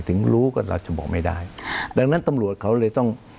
ถึงรู้ก็เราจะบอกไม่ได้ดังนั้นตำรวจเขาเลยต้อง